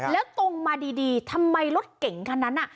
แล้วตรงมาดีทำไมรถเก่งคันนั้นน่ะ